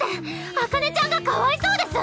紅葉ちゃんがかわいそうです！